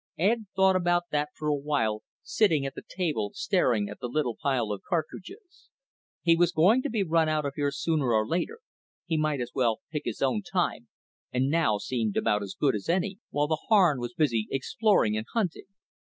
Ed thought about that for a while, sitting at the table staring at the little pile of cartridges. He was going to be run out of here sooner or later, he might as well pick his own time, and now seemed about as good as any, while the Harn was busy exploring and hunting.